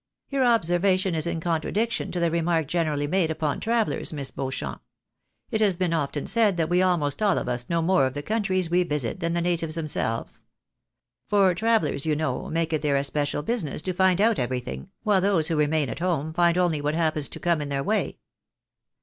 " Your observation is in contradiction to the remark generally made upon travellers, Miss Beauchamp. It has been often said that we almost all of us know more of the countries we visit than the natives themselves. For travellers, you know, make it their especial business to find out everything, while those who remain at home find only what happens to come in their way."